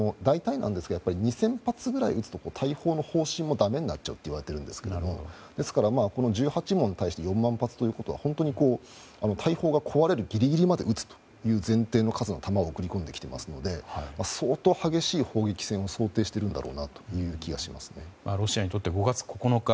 大隊、２０００発くらい撃つと砲身がだめになるといわれているんですが１８門に対して４万発ということは本当に、大砲が壊れるギリギリまで撃つという前提の数の弾を送り込んできていますので相当激しい砲撃戦を想定しているんだろうなというロシアにとって５月９日